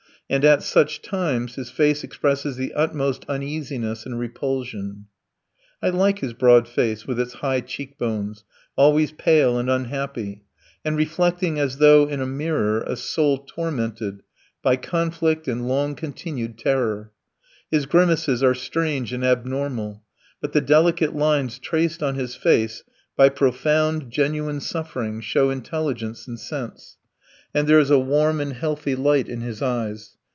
And at such times his face expresses the utmost uneasiness and repulsion. I like his broad face with its high cheek bones, always pale and unhappy, and reflecting, as though in a mirror, a soul tormented by conflict and long continued terror. His grimaces are strange and abnormal, but the delicate lines traced on his face by profound, genuine suffering show intelligence and sense, and there is a warm and healthy light in his eyes.